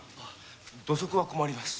土足は困ります。